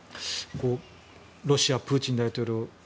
ロシア、プーチン大統領